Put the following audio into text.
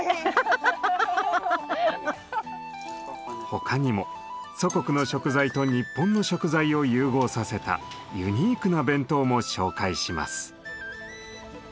他にも祖国の食材と日本の食材を融合させたユニークな弁当も紹介します。